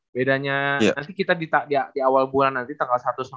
bedanya nanti kita di awal bulan nanti tanggal satu lima puluh empat